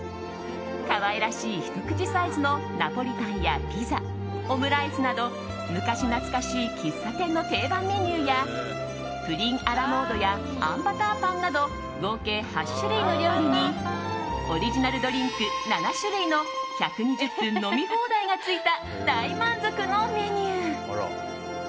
可愛らしいひと口サイズのナポリタンやピザオムライスなど、昔懐かしい喫茶店の定番メニューやプリンア・ラ・モードやあんバターパンなど合計８種類の料理にオリジナルドリンク７種類の１２０分飲み放題がついた大満足のメニュー。